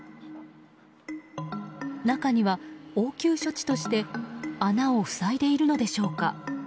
中には、応急処置として穴を塞いでいるのでしょうか。